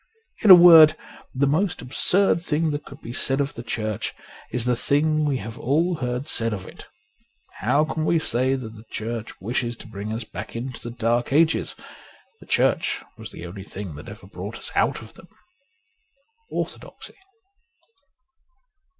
In a word, the most absurd thing that could be said of the Church is the thing we have all heard said of it. How can we say that the Church wishes to bring us back into the Dark Ages ? The Church was the only thing that ever brought us out of them. ' Orthodoxy.'